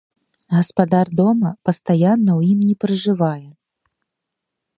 Гаспадар дома пастаянна ў ім не пражывае.